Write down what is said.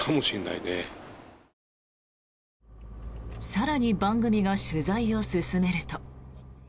更に番組が取材を進めると。